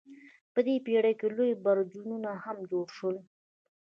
په دې پیړۍ کې لوی برجونه هم جوړ شول.